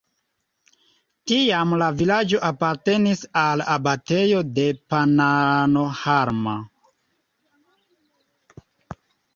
Tiam la vilaĝo apartenis al abatejo de Pannonhalma.